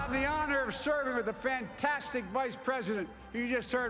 saya berhormat untuk berjaya bersama presiden terpilih kamala harris